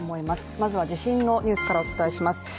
まずは地震のニュースからお伝えします。